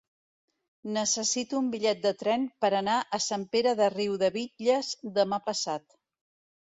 Necessito un bitllet de tren per anar a Sant Pere de Riudebitlles demà passat.